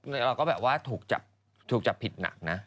เราก็แบบว่าถูกจับผิดหนักนะ